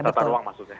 tata ruang maksudnya